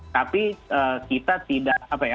tapi kita tidak apa ya